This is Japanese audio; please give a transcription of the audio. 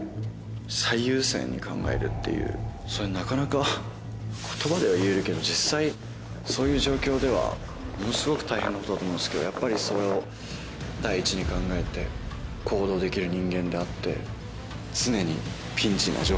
そういうなかなか言葉では言えるけど実際そういう状況ではものすごく大変なことだと思うんですけどやっぱりそれを第一に考えて行動できる人間であって常に。